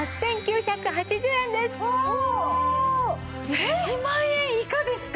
１万円以下ですか！